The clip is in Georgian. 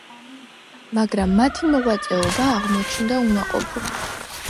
მაგრამ მათი მოღვაწეობა აღმოჩნდა უნაყოფო.